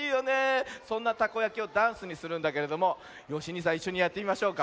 そんなたこやきをダンスにするんだけれどもよしにいさんいっしょにやってみましょうか。